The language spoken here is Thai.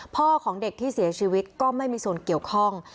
พ่อของเด็กที่เสียชีวิตก็ไม่มีส่วนเกี่ยวข้อง